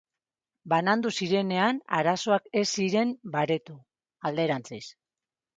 Banandu zirenean, arazoak ez ziren baretu; alderantziz.